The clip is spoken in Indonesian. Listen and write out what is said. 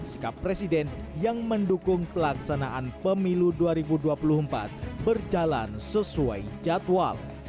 sikap presiden yang mendukung pelaksanaan pemilu dua ribu dua puluh empat berjalan sesuai jadwal